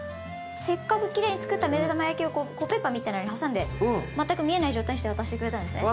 せっかくきれいにつくっためだま焼きをコッペパンみたいなのに挟んで全く見えない状態にして渡してくれたんですね。